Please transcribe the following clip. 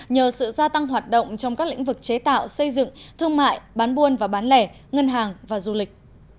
nhờ sự gia tăng hoạt động trong các lĩnh vực chế tạo xây dựng thương mại bán buôn và bán lẻ ngân hàng và du lịch